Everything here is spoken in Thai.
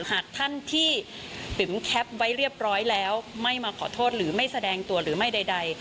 หากท่านที่ปิ๋มแคปไว้เรียบร้อยแล้วไม่มาขอโทษหรือไม่แสดงตัวหรือไม่ใด